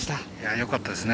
よかったですね。